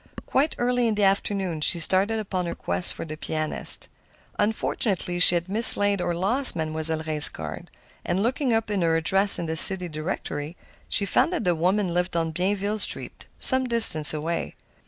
Quite early in the afternoon she started upon her quest for the pianist. Unfortunately she had mislaid or lost Mademoiselle Reisz's card, and looking up her address in the city directory, she found that the woman lived on Bienville Street, some distance away.